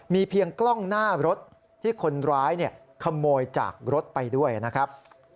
มีเพียงกล้องหน้ารถที่คนร้ายขโมยจากรถไปด้วยนะครับ